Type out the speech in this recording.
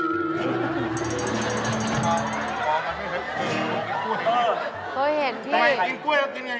กินกล้วยแล้วกินยังไง